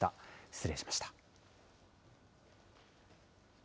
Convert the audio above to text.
失礼しました。